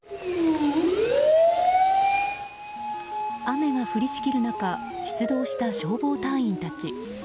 雨が降りしきる中出動した消防隊員たち。